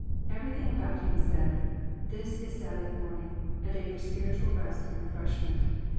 Everything about him said " This is Sabbath morning a day for spiritual rest and refreshment."